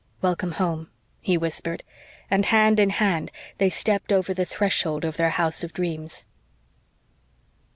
"Welcome home," he whispered, and hand in hand they stepped over the threshold of their house of dreams.